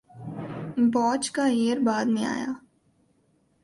باچ کا ایئر بعد میں آیا